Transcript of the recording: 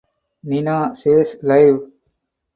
Nina says "Live".